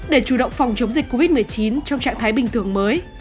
để chủ động phòng chống dịch covid một mươi chín trong trạng thái bình thường mới